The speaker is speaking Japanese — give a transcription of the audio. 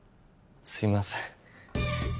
すいません